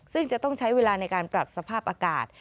ซึ่งจะต้องใช้เวลาในการปรับสภาพอากาศ